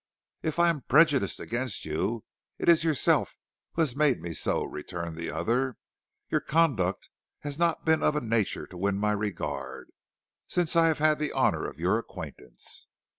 "If I am prejudiced against you, it is yourself who has made me so," returned the other. "Your conduct has not been of a nature to win my regard, since I have had the honor of your acquaintance."